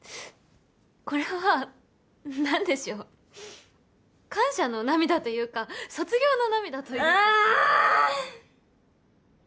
これは何でしょう感謝の涙というか卒業の涙というかあぁ！